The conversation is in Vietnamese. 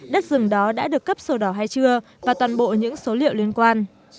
đất rừng đó đã được cấp sổ đỏ hay chưa và toàn bộ những số liệu liên quan